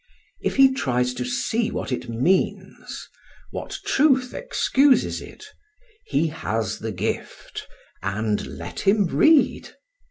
If he tries to see what it means, what truth excuses it, he has the gift, and let him read.